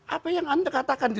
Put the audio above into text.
apa yang anda katakan